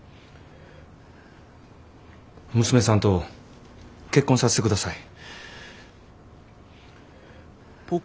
娘さんと結婚させてください。